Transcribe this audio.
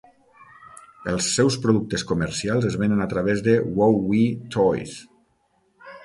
Els seus productes comercials es venen a través de WowWee Toys.